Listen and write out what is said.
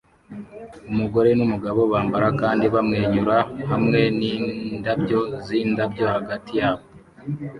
Umugore numugabo bambara kandi bamwenyura hamwe nindabyo zindabyo hagati yabo